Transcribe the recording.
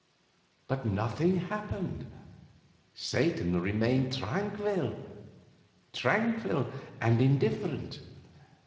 But nothing happened; Satan remained tranquil tranquil and indifferent.